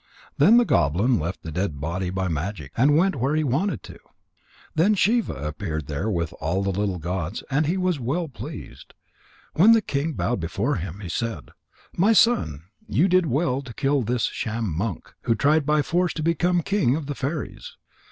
Then the goblin left the dead body by magic, and went where he wanted to. Then Shiva appeared there with all the little gods, and he was well pleased. When the king bowed before him, he said: "My son, you did well to kill this sham monk who tried by force to become king of the fairies.